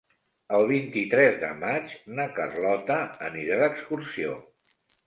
El vint-i-tres de maig na Carlota anirà d'excursió.